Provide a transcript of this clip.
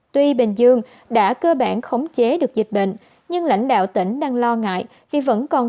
tuy bình dương đã cơ bản khống chế được dịch bệnh nhưng lãnh đạo tỉnh đang lo ngại vì vẫn còn